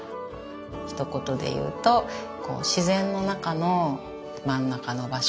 ひと言でいうとこう自然の中の真ん中の場所。